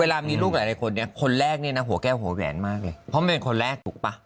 เวลามีลูกหลายคนเนี่ยคนแรกเนี่ยนะหัวแก้วหัวแหวนมากเลยเพราะมันเป็นคนแรกถูกป่ะ